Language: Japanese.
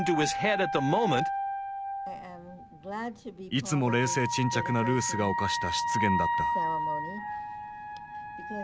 いつも冷静沈着なルースが犯した失言だった。